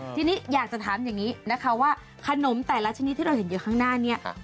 ทีนี้อยากจะถามอย่างนี้นะคะว่าขนมแต่ละชนิดที่เราเห็นอยู่ข้างหน้านี้